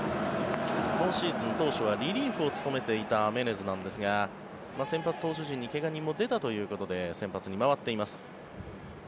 今シーズン、当初はリリーフを務めていたメネズなんですが先発投手陣に怪我人も出たということで先発に回っています。